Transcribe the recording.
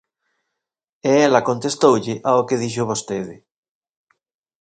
E ela contestoulle ao que dixo vostede.